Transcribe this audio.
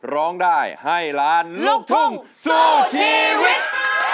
ร้องได้ให้ล้านลูกทุ่งสู้ชีวิต